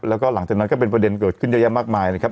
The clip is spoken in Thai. แล้วก็หลังจากนั้นก็เป็นประเด็นเกิดขึ้นเยอะแยะมากมายนะครับ